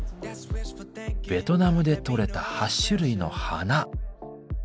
ベトナムで採れた８種類の花。